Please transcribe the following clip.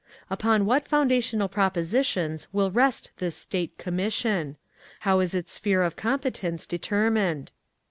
Upon what fundamental propositions will rest this State Commission? How is its sphere of competence determined?